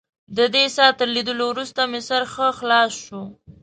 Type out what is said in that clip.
ددې څاه تر لیدلو وروسته مې سر ښه خلاص شو.